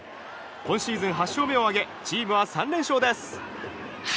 今シーズン８勝目を挙げチームは３連勝です！